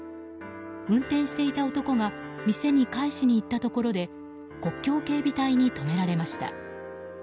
運転していた男が店に返しにいったところで国境警備隊に止められました。